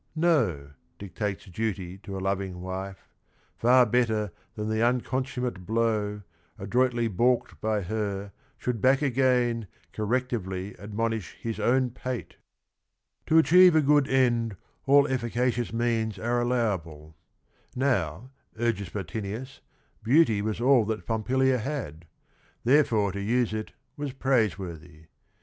No, dictates duty to a loving wife; Far better that the unconsummate blow; Adroitly baulked by her, should back again, Correctively admonish his own pate !" j^ To achieve a good end, all efficacious means are allowable. Now, urges Bottinius, beauty was all that Pompilia had ; therefore to use it was praiseworthy.